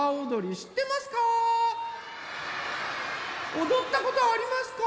おどったことありますか？